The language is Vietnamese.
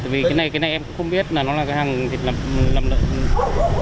vì cái này em cũng không biết là nó là cái hàng thịt lầm lợn